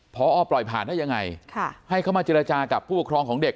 พอปล่อยผ่านได้ยังไงให้เขามาเจรจากับผู้ปกครองของเด็ก